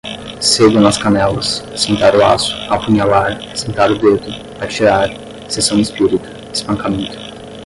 sebo nas canelas, sentar o aço, apunhalar, sentar o dedo, atirar, sessão espírita, espancamento